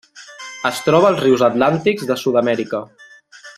Es troba als rius atlàntics de Sud-amèrica.